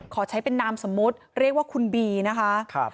ขอใช้เป็นนามสมมุติเรียกว่าคุณบีนะคะ